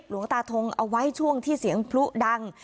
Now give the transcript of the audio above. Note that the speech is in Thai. หลวงตาทงเอาไว้ช่วงที่เสียงพลุดัง